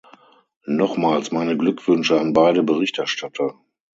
Nochmals meine Glückwünsche an beide Berichterstatter.